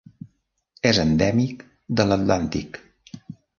És endèmic de l'Atlàntic.